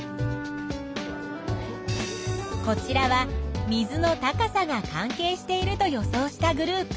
こちらは水の高さが関係していると予想したグループ。